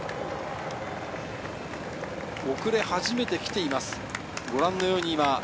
遅れはじめてきています。